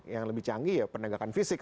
yang lebih canggih ya penegakan fisik